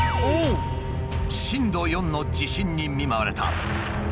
震度４の地震に見舞われた。